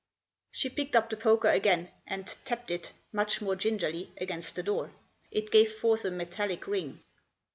She picked up the poker again, and tapped it, much more gingerly, against the door. It gave forth a metallic ring.